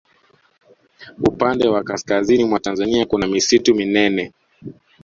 upande wa kaskazini mwa tanzania kuna misitu minene